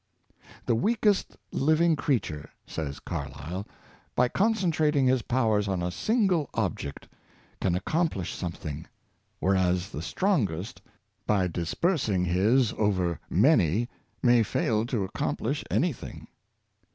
'^ The weakest living creature," says Carlyle, " by concentrating his powers on a single object, can ac complish something; whereas the strongest, by dispers ing his over many, may fail to accomplish anything."